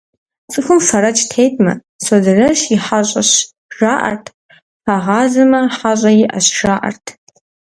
Цӏыхум фэрэкӏ тетмэ, «Созэрэщ и хьэщӏэщ» жаӏэрт, фэгъазэмэ, «хьэщӏэ иӏэщ» - жаӏэрт.